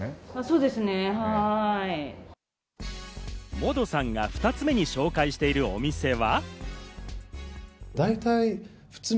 モドさんが２つ目に紹介しているお店は。